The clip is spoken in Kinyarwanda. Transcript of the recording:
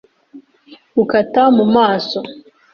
gukata mu maso.